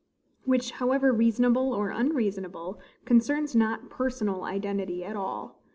Which, however reasonable or unreasonable, concerns not PERSONAL identity at all.